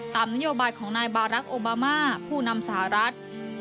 นโยบายของนายบารักษ์โอบามาผู้นำสหรัฐ